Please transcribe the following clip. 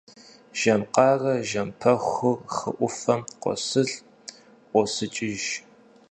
Жэм къарэ жэм пэхур хы ӏуфэм къосылӏ, ӏуосыкӏыж.